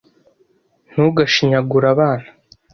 Ntugashinyagure abana.